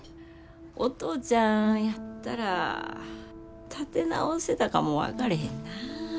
お父ちゃんやったら立て直せたかも分かれへんな。